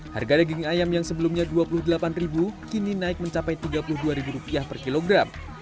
harga daging ayam yang sebelumnya rp dua puluh delapan kini naik mencapai rp tiga puluh dua per kilogram